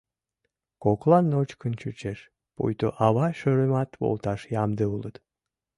Коклан ночкын чучеш, пуйто ава шӧрымат волташ ямде улыт.